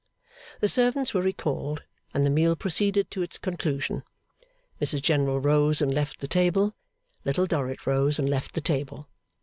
The servants were recalled, and the meal proceeded to its conclusion. Mrs General rose and left the table. Little Dorrit rose and left the table.